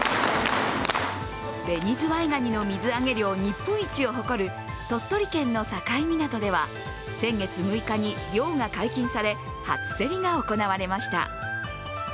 紅ズワイガニの水揚げ量日本一を誇る鳥取県の境港では先月６日に漁が解禁され初競りが行われました。